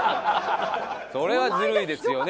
それはずるいですよね。